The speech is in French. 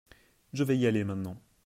Je vais y aller maintenant.